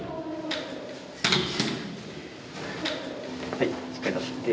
はいしっかり立って。